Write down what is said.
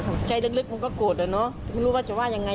ใกล้มันก็โกรธเองไม่รู้จะว่ายังไง